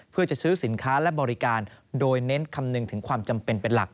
เพื่อจะซื้อสินค้าและบริการโดยเน้นคำนึงถึงความจำเป็นเป็นหลัก